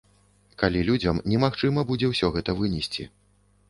Калі людзям немагчыма будзе ўсё гэта вынесці.